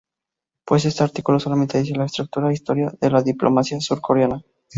Pues este artículo solamente dice la estructura e historia de la diplomacia surcoreana.